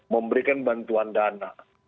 memberikan bantuan dana